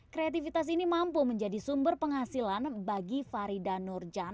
kreativitas ini mampu menjadi sumber penghasilan bagi farida nurjan